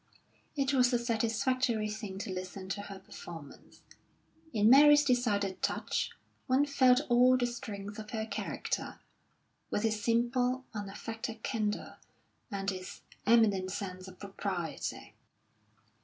It was a satisfactory thing to listen to her performance. In Mary's decided touch one felt all the strength of her character, with its simple, unaffected candour and its eminent sense of propriety.